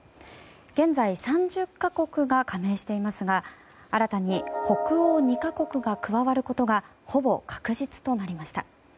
現在、３０か国が加盟していますが新たに北欧２か国が加わることがほぼ確実となりました。